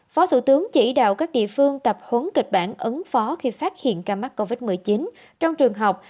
phó thủ tướng chỉ đạo các địa phương tập huấn kịch bản ứng phó khi phát hiện ca mắc covid một mươi chín trong trường học